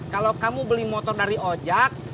kalau kamu beli motor dari ojek